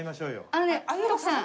あのね徳さん。